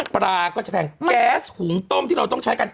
ปลาก็จะแพงแก๊สหุงต้มที่เราต้องใช้กัน